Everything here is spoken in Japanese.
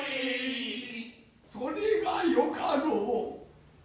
それがよかろう。